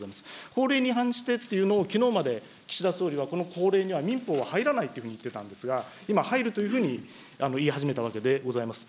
法令に違反してというのを、きのうまで、岸田総理は、これ民法は入らないというふうに言っていたんですが、今、入るというふうに言い始めたわけでございます。